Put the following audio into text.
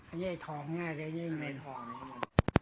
ไอ้เย้ถอมง่ายไอ้เย้ไอ้เย้ถอมไอ้เย้